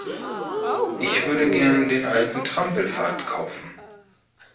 Ich würde gerne den alten Trampelpfad kaufen.